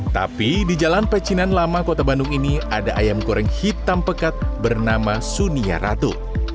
tapi di jalan pecinan lama kota bandung ini ada ayam goreng hitam pekat bernama sunia ratu